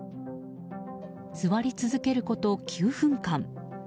座り続けること９分間。